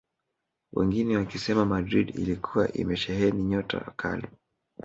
Wengine wakisema Madrid ilikuwa imesheheni nyota wa kali